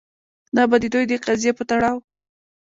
دا به د دوی د قضیې په تړاو